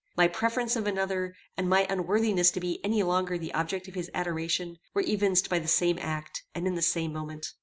My preference of another, and my unworthiness to be any longer the object of his adoration, were evinced by the same act and in the same moment.